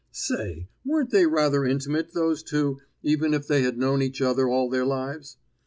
Say, weren't they rather intimate, those two, even if they had known each other all their lives?